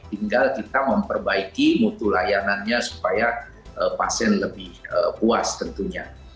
tinggal kita memperbaiki mutu layanannya supaya pasien lebih puas tentunya